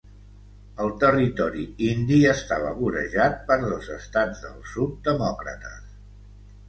El Territori Indi estava vorejat per dos estats del sud demòcrates.